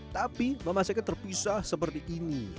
tapi memasaknya terpisah seperti ini